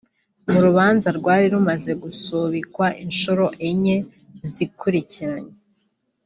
mu rubanza rwari rumaze gusubikwa inshuro enye zikurikiranya